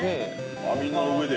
◆網の上で。